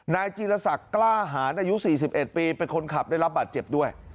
นายจีรศักดิ์กล้าหารอายุ๔๑ปีเป็นคนขับได้รับบาดเจ็บด้วย